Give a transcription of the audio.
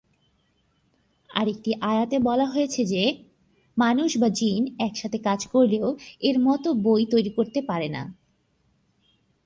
আরেকটি আয়াতে বলা হয়েছে যে, মানুষ বা জিন একসাথে কাজ করলেও এর মতো বই তৈরি করতে পারে না।